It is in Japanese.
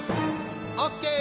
オッケー！